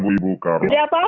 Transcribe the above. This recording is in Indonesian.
tidak apa apa pak